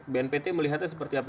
bnpt melihatnya seperti apa